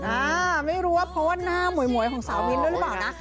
อ่าไม่รู้ว่าเพราะว่าหน้าหมวยของสาวมิ้นด้วยหรือเปล่านะ